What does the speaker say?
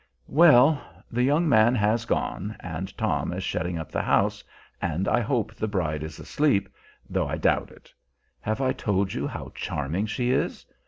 ... Well, the young man has gone, and Tom is shutting up the house, and I hope the bride is asleep, though I doubt it. Have I told you how charming she is?